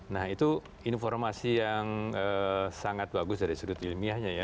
nah itu informasi yang sangat bagus dari sudut ilmiahnya ya